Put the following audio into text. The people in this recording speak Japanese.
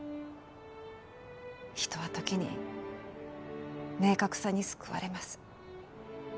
人は時に明確さに救われます。